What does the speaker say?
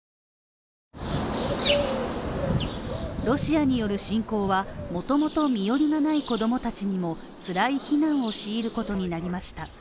ロシアによる侵攻はもともと身寄りがない子供たちにもつらい避難を強いることになりました。